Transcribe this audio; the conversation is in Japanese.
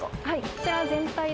こちら全体で。